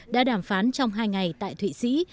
đã đàm phán trong hai ngày tại thụy sĩ